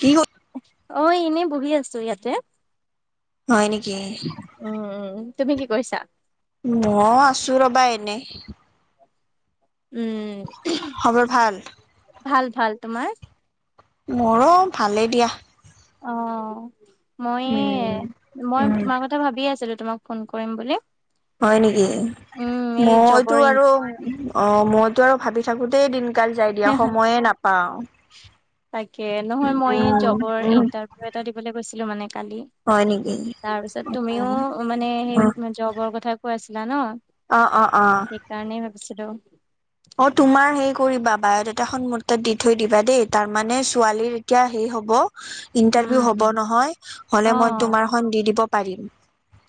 কি ক [unintelligible] অ এনেই বহি আছো ইয়াতে হয় নেকি উম উম তুমি কি কৰিছা মই আছো ৰ'বা এনে। উম খবৰ ভাল ভাল ভাল তোমাৰ মোৰো ভালেই দিয়া অ মই উম মই উম তোমাৰ কথা ভাবিয়ে আছিলো তোমাক ফোন কৰিম বুলি। হয় নেকি উম এই মইতো জবৰ ইন আৰু অ মইতো আৰু ভাবি থাকোতেই দিনকাল যায় দিয়া সময়ে নাপাওঁ তাকে নহয় মই জবৰ উম ইণ্টাৰভিউ এটা দিবলৈ গৈছিলো মানে কালি। হয় নেকি তাৰপিছত তুমিও মানে অ সেই জবৰ কথা কৈ আছিলা ন'। অ', অ', অ'। নিচত অ', তোমাৰ হেই কৰিবা বায়'দটা খন মোৰ তাত দি থৈ দিবা দেই তাৰমানানে ছোৱালীৰ এতিয়া হেই হ'ব উম ইন্টাৰভিউ হ'ব উম নহয় অ হলে মই তোমাৰখন দি দিব পাৰিম।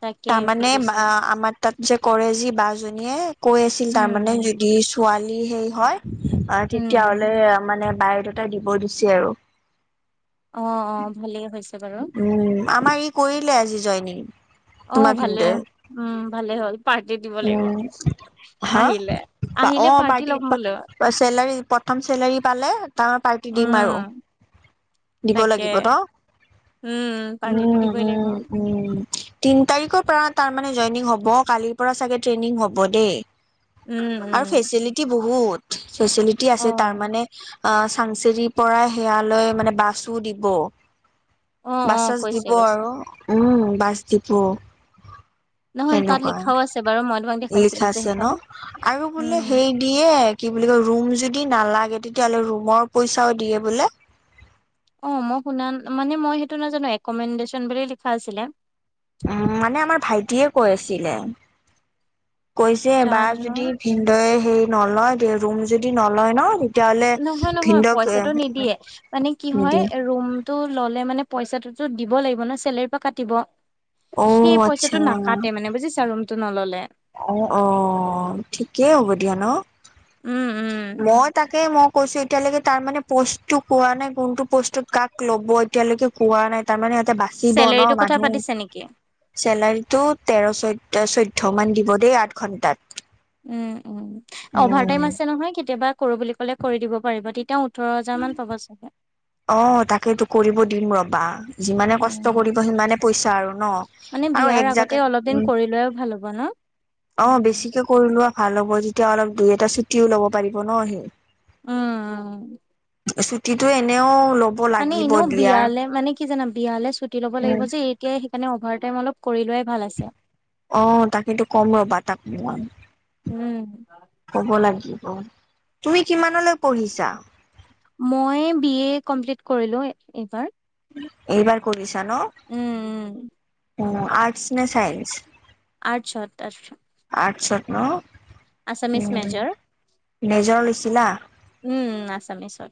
তাকে তাৰমানে বুজিছো বা আমাৰ তাত যে কৰে যি বা জনীয়ে। কৈ আছিল উম তাৰমানে উম যদি ছোৱালী সেই হয় আহ উম উম তেতিয়াহ'লে মানে। বায়'দাটা দিব দিছে আৰু। অ', অ', ভালেই হৈছে। বাৰু উম আমাৰ ই কৰিলে আজি জইনিং। অ', তোমাৰ ভালে ভিনদেউ। উম ভালে হ'ল পাৰ্টি দিব লাগিব। উম হা আহিলে অ আহিলে পাৰ্টি ল'ম বোলো চেলাৰী প্ৰথম চেলাৰী পালে তাৰ পাৰ্টি দিম আৰু উম দিব তাকে লাগিব ন'। উম উম পাৰ্টিটো দিবই লাগিব উম উম। তিন তাৰিখৰ পৰা তাৰ মানে জইনিং হ'ব কালিৰ পৰা চাগে ট্ৰেইনিং হ'ব দেই। উম আৰু উম। ফেচিলিটি বহুত ফেচেলিটি অ আছে তাৰ মানে। আহ চাংচেৰিৰ পৰা সেয়ালৈ মানে বাছো দিব। অ অ বাছছাচ কৈছে দিব কৈছে আৰু উম বাছ দিব। নহয় তাত লিখাও আছে বাৰু মই তোমাক দেখাইছিলো যে লিখাছে সেইখন ন', আৰু বোলে উম হেই দিয়ে কি বুলি কয় ৰুম যি যদি নালাগে তেতিয়াাহ'লে ৰুমৰ পইচাও দিয়ে বোলে। অ', মই শুনা মানে মই সেইটো নাজানো এক'মেণ্ডেচন বুলি লিখা আছিলে। উম মানে আমাৰ ভাইটিয়ে কৈ আছিলে কৈছে বাৰ জানো যদি ভিদৰে হে নলয় দে ৰুম যদি নলয় ন' তেতিয়াহ'লে নহয় নহয় ভিনদক পইচাটো নিদিয়ে মানে কি হয় নিদিম ৰুমতটো ল'লে মানে পইচাটোতো দিব লাগিব ন চেলেৰীৰ পৰা কাটিব। অ সেই পইচাটো আচ্ছা নাকাটে মানে বুজিছা ৰুমতটো নল'লে। অ', অ', ঠিকেই হ'ব দিয়া ন'। উম উম মই তাকে মোক কৈছো এতিয়ালৈকে তাৰ মে পষ্টটো কোৱা নাই কোনটো প'ষ্টত কাক ল'ব এতিয়ালৈকে কোৱা নাই তাৰ মানে। এ বাচিব চেলেৰিটো ন' কথা মানুহ পাতিছে নেকি? চেলাৰীটো তেৰ চৈধ চৈধ্য মান দিব দেই আঠ ঘণ্টাত উম উম অভাৰ উম টাইম আছে নহয় কেতিয়াবা। কৰো বুলি ক'লে কৰি দিব পাৰিব তেতিয়াও ওঠৰ হাজাৰ মান পাব চাগে। অ', তাকেইটো কৰিব দিম ৰ'বা। যিমানে কষ্ট কৰিব উম সিমানে পইচা আৰু মানে ন' আৰু বিয়াৰ এক আগতে অলপ জাগাত দিন উম কৰি লোৱাই ভাল হ'ব ন? অ উম বেছিকে কৰি লোৱা ভাল হ'ব যেতিয়া অলপ দুই এটা ছুটিও লব পাৰিব ন সি উ। ছুটীটো এনেও মানে লাগিব এনেও দিয়াৰ বিয়ালে মানে কি জানা বিয়ালে ছুটি ল'ব উম লাগিব যে এতিয়াই সেইকাৰণে অভাৰ ম অলপ কৰি লোৱাই ভাল আছে অ', তাকো কম ৰ'বা তাকো মই, উম ক'ব লাগ তুমি কিমানলৈ পঢ়িছা মই বি এ কমপ্লিট কৰিলো এইবাৰ। এইবাৰ কৰিছা নো উম উম উ আৰ্টছ নে চাইন্স? আঠছ আচশ আঠশ ন'। আছামিছ মেজাৰ নেজৰ লৈছিলা উম আছামিছত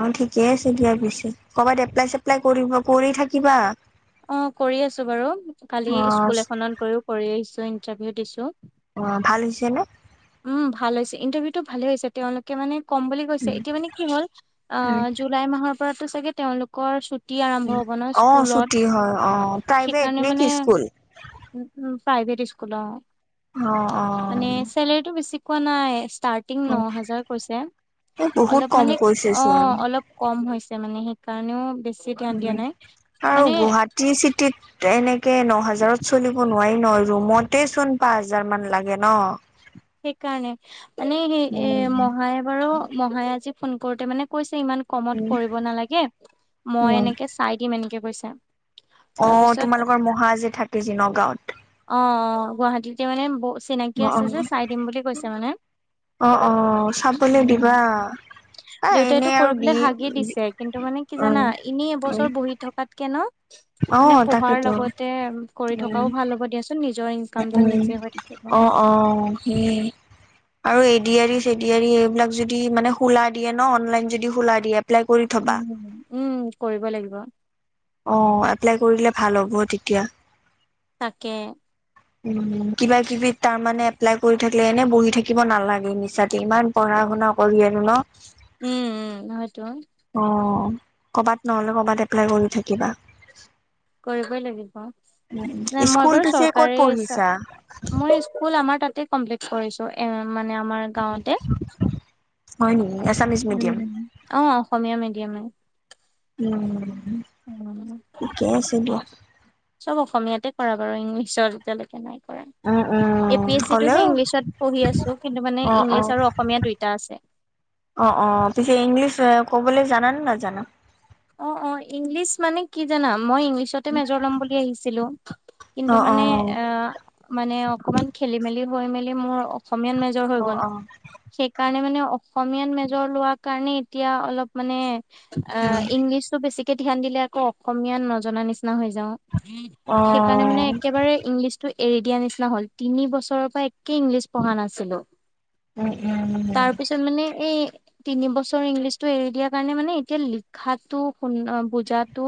অ ঠিকে আছে দিয়া পিছে কৰবাত এপ্লাই চেপ্লাই কৰিব কৰি থাকিবা অ', কৰি আছো বাৰু কালি অ স্কুল এখনত গ কৰি আহিছো ইন্টাৰভিউ দিছো। অ ভাল হৈছে নে উম ভাল হৈছে ইণ্টাৰভিউ টো ভালে হৈছে তেওঁলোকে মানে কম বুলি কৈছে উম এতিয়া মানে কি হ'ল অ উম জুলাই মাহৰ পৰাতো চাগে তেওঁলোকৰ চু আৰম্ভ উম হব ন অ স্কুলত ছুটি হয় অ প্ৰাইভেট সেইকাৰণে নে কি মানে স্কুল উ উ প্ৰাইমেী স্কুল অ অ মানে চেলেৰিটো বেছি কোৱা নাই ষ্টাৰ্টিং ন হাজাৰ কৈছে এই বহুত অলপ কম মানে কৈছে অ চোন অলপ কম হৈছে মানে স কাৰণে বে উ আৰু গুৱাহাটী চিটিত এনেকে ন হাজাৰত চলিব নোৱাৰি ন ৰুমতে চোন পাঁচ হাজাৰ মান লাগে ন। সেইকাৰণে মানে স এ উম। মহায়ে বাৰু মহায় আজি ফোন কৰোতে মানে কৈছে ইমান উম, কমত কৰিব নালাগে মই উম, এনেকে চাই দিম এনেকে ৈছা অ তোমালোকৰ মহা যে থাকে যে নগাঁওত অ অ গুৱাহাটীতে মানে ব চিনাকি অ' আছে যে চাই দিম বুলি কৈছে মানে অ' অ', অ', চাবলৈ উম দিবা এ এনে দেউতাইতো আৰু কৰিবলৈ বি হাগি দিছে কিন্তু মানে কি উম, জানা এনেই উম, এবছৰ বহি থকাতকে ন মানে অ' পঢ়াৰ তাকেতো লগতে কৰি উম, থকাও ভাল হ'ব দিয়াচোন নিজৰ ইনকামটো উম, নিজে হৈ থাকিব অ' অ' সেই আৰু এডিয়ৰি চেডিআৰী এইবিলাক যদি মানে খোলা দিয়ে ন অনলাইন যদি খোলা দিয়ে। এপ্লাই কৰি থবা। উম উম কৰিব লাগিব অ এপ্লাই কৰিলে ভাল হ'ব তেতিয়া তাকে উ কিবা কিবি তাৰমানানে এপ্লাই কৰি থাকিলে এনে বহি থাকিব নালাগে মিছাতে ইমান পঢ়া পঢা শুনা কৰি আনো ন উম উম হয়তো অ কৰ'বাত নহ'লে কৰবাত এপ্লাই কৰি থাকিবা কৰিবই লাগিব নাই মই স্কুল বাৰু পিছে ক'ত চৰকাৰী পঢ়িছা মই স্কুল আমাৰ তাত কমপ্লিট কৰিছো এ মানে আমাৰ গাওঁতে হয় নেকি এছামিছ মিডিয়াম উম অ অসমীয়া মিডিয়ামে উম অ', ঠিকেই আছিল দিয় চব অসমীয়াতে কৰা বাৰু ইংলিছৰ এতিয়ালৈকে উম নাই। এ উম পি এছ চিটোহে হ'লেও ইংলিছত পঢ়ি আছো কিন্তু মানে অ অ ইংলিছ আৰু অসমীয়া দুইটা আছে অ অ পছে ইংলিছ কবলৈ জানা ন জানা অ অ ইংলিছ মানে কি জানাম মই ইংলিছতে মেজৰ ল'ম বুলি আহিছিলো কিন্তু অ অ মানে ম অকমান খেলি মেলি হৈ মেলি মোৰ অসমীয়াত মেজৰ হৈ অ গলেই অ ে মানে অসমীয়াত মেজৰ লোৱাৰ কাৰণে এতিয়া অলপ মানে আ উম বেছিকে ধান দিলে আকৌ অসমীয়া নজনা নিচিনা য অ সেইকাৰণে মানে একে ইংলিটো এৰি দিয়া নিচিনা হল তিনি বছৰৰ পৰা একেই ইংলিছ পঢ়া নাছিলো উম উম উম তাৰ পিছত মানে এই তিন বছৰ ইংলিছ টো এৰি দিয়াৰ কাৰণে মানে এতিয়া লি লিখাটো শুন বুজাতো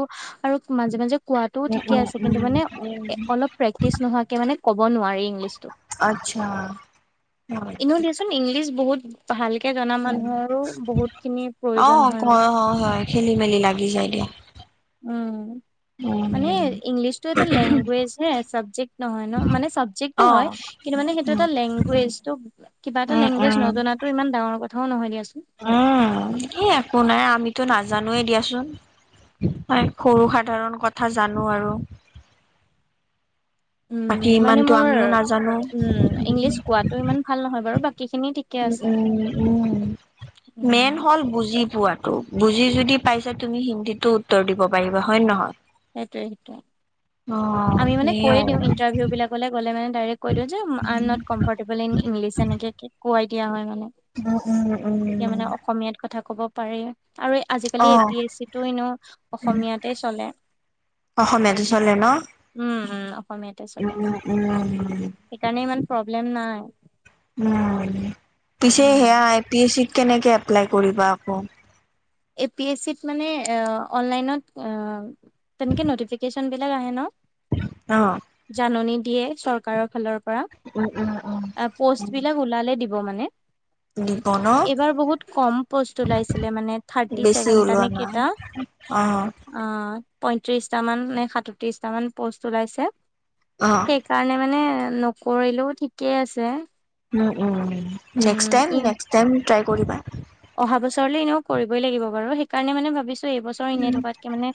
আৰু মাজে মাজে কোৱাটো উম ঠিকে আছে কিন্তু উম মানে উম অলপ প্ৰেক্টিচ নোহোৱাকে মানে ক'ব নোৱাৰি ইংলিছটো। আত্চ্ছা। ইনেও দিয়াচোন ইংলিছ বহুত ভাল কে জনা উম মানুহৰো বহুত খিনি প্ৰয়োজন হয় আৰু। খেলি মেলি লাগি যায় দিয়া। উম। ম মানে ইংলিছতটো এটা লেংগুৱেজ হে, চাবজেক্ট নহয় ন মানে চাবজেক্টো অ হয়। কিন্তু, মানে এইটো উম এটা লেংগুৱেজটো কিবা এটা উম লেংগুৱেজ উম নজনাতো ইমান ডাঙৰ কথাও নহয় দিয়াচোন। উম, এই আপোনাৰ আমিতো নাজানোৱেই দিয়াছোন। সৰু সাধাৰণ কথা জানোঁ আৰু। উম, বাকী মানে ইমানতো মোৰ আমিও নাজানো উম, ইংলিছ কোৱাটো ইমান ভাল নহয় বাৰু বাক উ, উম, উম, মেইন উম, হ'ল বুজি পোৱাত তো, বুজি যদি পাইছা তুমি হিন্দীটো উত্তৰ দিব পাৰিবা হয়ন নহয়? সেইটোৱে, সেইটোৱে। অ আমি মানে কয়ে সেইয়াই দিওঁ আৰু ইটাৰভিউ বিলাক'লে গ'লে মানে ডাইৰেক কৈ দিওঁ যে, I am not comfortable in English N তেনেকেকে কৈ দিয়া হয়, মানে উম উম তেতিয়া উম মানে অসমীয়াত কথা ক'ব পাৰি। আৰু আজিকালি অ এ পি এচিটো ইনেও অসমীয়াতে চলে। অসমীয়াতে চলে ন? উম, উম, অসমীয়াতে চলে। উম উম সেইকাৰণে ইমান প্ৰব্লেম নাই। উম, পিছে উম সেয়া এ পি এচি কেনেকে এপ্লাই কৰিবা আকৌ? এ পি এচিত মানে এ, অনলাইনত অ', তেনেকে নটিফিকেচন বিলাক আহে ন! ন? জাননী দিয়ে চৰকাৰক ফালৰ পৰা, উম, উম, আ, উম। প'ষ্টবিলাক উলালে দি দিব মানে। দিব ন? এইবাৰ বহুত কম পষ্ট ওলাইছিলে মানে। থাৰ্টি বেছি চেভেনটা ওলোৱা নে নাই কেটা অ' পয়ত্ৰিশটা মান নে সাতত্ৰিশটা মান পষ্ট ওলাইছে অ'। সেইকাৰণে মানে নকৰিলো ঠিকে আছে। উম উম নেক্সট্ উম, টাইম ই নেক্সট্ টাইম ট্ৰাই কৰিবা। অহা বছৰলৈ এনেও কৰিবই লাগিব বাৰু সেইকাৰণে মানে ভাবিছোঁ এইবছৰ এনেই উম, থকাতকে মানে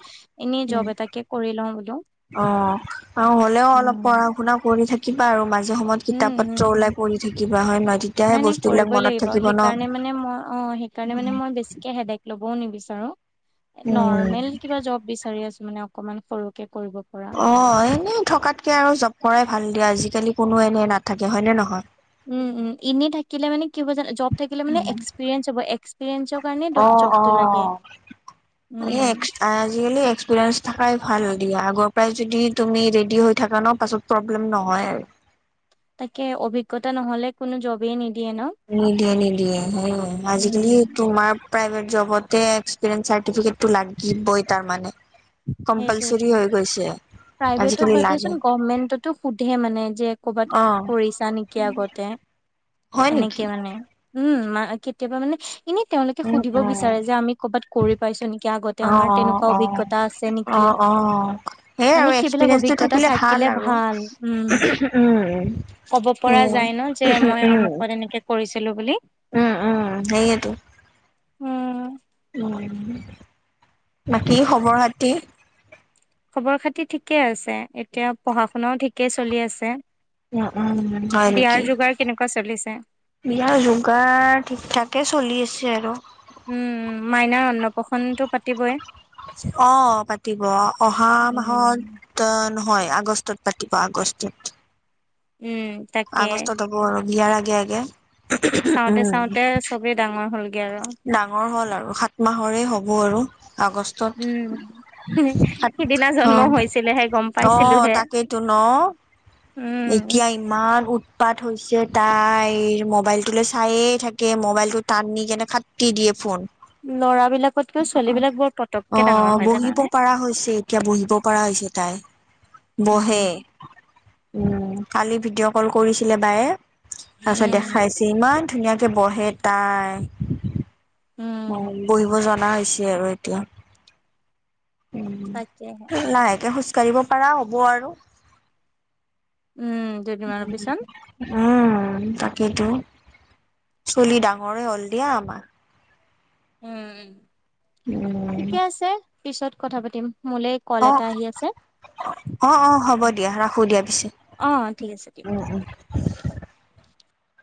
এনেই উম, জব এটাকে কৰি লওঁ বোলোঁ। অ'। অ', হ'লেও অলপ পঢ় শুনাও কৰি থাকিবা আৰু মাজে সময়ত উম, কিতাপ পত্ৰ ওলাই উম পঢ়ি থাকিবা হয়, ন' নাই তেতিয়াহে নাই বস্তুবিলাক কৰিবই মনত লাগিব থাকিব ন? সেইকাৰণে মানে মই অ', সেইকাৰণে মানে মই বেছিকে হেদেক ল'বও নিবিচাৰোঁ। উম। নৰ্মেল কিবা জব বিচাৰি আছোঁ মানে অকমান সৰুকে। কৰিব পৰা। অ', এনেই থকাতকে আৰু জব কৰাই ভাল দিয়া আজিকালি কোনো এনে নাথাকে হয়নে নহয়? উম, উম, ইনেই থাকিলে মানে কি হ'ব জা-জব থাকিলে মানে উম। এক্সপিৰিয়েন্ঞ্চ হ'ব, এক্সপিৰিয়েঞ্চৰ কাৰণে অ', দ-জবটো লাগে। অ'। [unintelligible] উম, আজিকালি এক্সপিৰিয়েঞ্চ থাকাই ভাল দিয়া আগৰ পৰাই যদি তুমি ৰেডি হৈ থাকা ন! পাছত প্ৰব্লেম নহয় আ তাকে, অভিজ্ঞতা নহ'লে কোনো জবেই নি নিদিয়ে নিদিয়ে সেইয়ে আজিকালি উম, তোমাৰ প্ৰাইভেট জবতে এক্সপৰিয়েন্ঞ্চ চাৰ্টিফিকেটো লাগিবই তাৰ মানে। সেইটোৱেটো। কম্পালচৰি হৈ গৈছে। প্ৰাইভেটত আজিকালি বাদ লাগে দিয়াচোন, গমেন্টতো সোধে মানে যে কৰ'বাত অ কৰিছা নেকি আগতে? হয় নেকি এনেকে মানে উম আমা কেতিয়াবা মানে এনেই তেওঁলোকে সুধিব বিচাৰে অ যে, আমি ক'ৰবাত কৰি পাইছোঁ নিকি, আগতে অ আমাৰ তেনেকুৱা অ অ অভিজ্ঞতা আছে নিকি? অ', অ' সেয় আৰু এক্সপিৰিয়েঞ্চটো অভিজ্ঞতা থাকিলে ভাল আৰু ভাল উম উম। ক'ব পৰা সেইয়াই যায় ন যে মই উম আমুকত এনেকে কৰিছিলো বুলি উম উম সেয়ে টো। উম। বাকী খবৰ খাতি- খবৰ খাতি ঠিকে আছে এতিয়া পঢ়া শুনাও ঠিকে চলি আছে। উ উম হয় বিয়াৰ নেকি? যোগাৰ কেনেকুৱা চলিছে বিয়া যোগাৰ ঠিক থাক কে চলি আছে আৰু। উম মাইনাৰ অন্নপ্ৰশনটো পাতিবই। অ পাতিব অহা উম মাহত অ। হয় আগষ্টত পাতিব আগষ্টত। উম তাকে আগষ্টত হ'ব আৰু বিয়াৰ আগে আগে। চাওঁতে উম চাওঁতে চবেই ডাঙৰ হ'ল। ডাঙৰ হ'ল আৰু সাত মাহৰে হ'ব আৰু। আগষ্টত উম সিদিনা অ জন্ম হৈছিলেহে গম অ পাইছিলোহে তাকেইতো ন। অ উম এতিয়া ইমান উত উৎপাত হৈছে তাইৰ মোবাইলটোলৈ চায়ে থাকে মোবাইলটো টানি কেনে কাটি দিয়ে ফোন। ল'ৰাবিলাকতকৈ ছোৱালী বিলাক বৰ অ পতককে ডাঙৰ হয় বহিব জানানে পাৰাহৈছে এতিয়া বহিব পৰা হৈছে। তাই বহে। উম উম কালি ভিডিঅ' কল কৰিছিলে বায়ে তাৰপিছত উম দেখাইছে ইমান ধুনীয়াকে বহে তাই, অ উম বহিব জ জনা হৈছে আৰু এতিয়া তাকেহে উম লাহেকে হৈছে। খোজ কাঢ়িব পাৰা হ'ব আৰু। উম দুদিনমানৰ পিছত। উম, তাকেইেতো ছোৱালী ডাঙৰে হল দিয়া আমাৰ। উম উম। উম। ঠিকে আছে পিছত কথা পাতিম মোলৈ কল অ এটা আহি আছে। অ অ হ'ব দিয়া ৰাখো দিয়া পিছে অ ঠিক আছে দিয়ক। উম